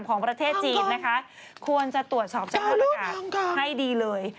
ของประเทศจีนนะคะควรจะตรวจสอบสภาพอากาศให้ดีเลย